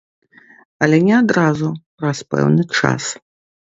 Але не адразу, праз пэўны час.